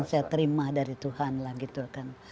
saya terima dari tuhan lah gitu kan